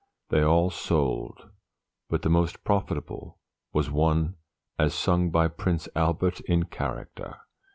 They all "sold" but the most profitable was one "as sung by Prince Albert in character."